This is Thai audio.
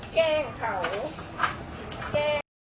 เกงเขา